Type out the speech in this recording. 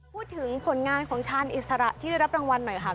พูดถึงผลงานของชาญอิสระที่ได้รับรางวัลหน่อยค่ะ